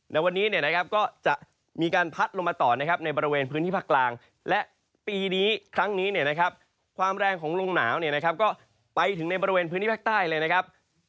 ในวันนี้เนี่ยนะครับก็จะมีการพัดลงมาต่อนะครับในบริเวณพื้นที่ภาคกลางและปีนี้ครั้งนี้เนี่ยนะครับความแรงของลมหนาวเนี่ยนะครับก็ไปถึงในบริเวณพื้นที่ภาคใต้เลยนะครับ